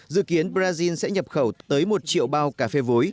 dự kiến brazil sẽ nhập khẩu tới một triệu bao cà phê vối